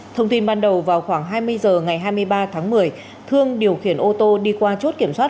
thông tin ban đầu vào khoảng hai mươi h ngày hai mươi ba tháng một mươi thương điều khiển ô tô đi qua chốt kiểm soát